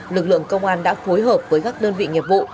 lực lượng công an đã phối hợp với các đơn vị nghiệp vụ